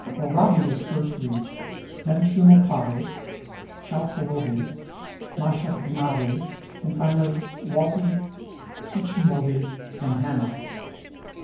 Oraibi is first reached, then Shumopavi, Shupaulovi, and Mashongnavi, and finally Walpi, Sichumovi, and Hano.